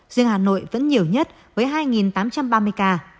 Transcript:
riêng hà nội vẫn nhiều nhất với hai tám trăm ba mươi ca